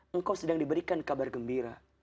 engkau sedang diberikan kabar gembira